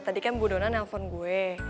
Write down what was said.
tadi kan bu dona nelfon gue